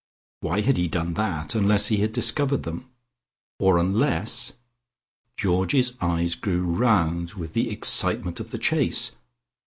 Why had he done that unless he had discovered them, or unless ... Georgie's eyes grew round with the excitement of the chase